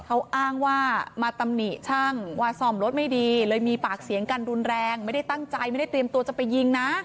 เขาอ้างว่ามาตำหนิช่างว่าซ่อมรถไม่ดีเลยมีปากเสียงกันรุนแรงไม่ได้ตั้งใจไม่ได้เตรียมตัวจะไปยิงนะ